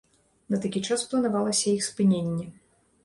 На такі час планавалася іх спыненне.